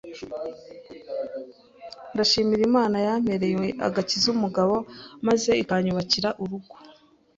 ndashima Imana yampereye Agakiza umugabo maze ikanyubakira urugo,